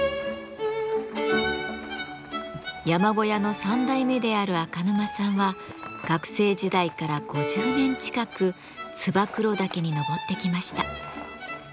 山小屋の３代目である赤沼さんは学生時代から５０年近く燕岳に登ってきました。